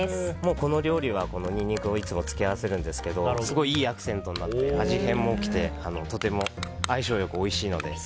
この料理はニンニクをいつも付け合わせるんですけどすごい、いいアクセントになって味変も起きてとても相性良くおいしいので。